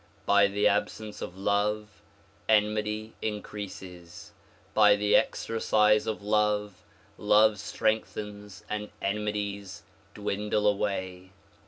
By the absence of love, enmity increases. By the exercise of love, love strengthens and enmities dwindle away.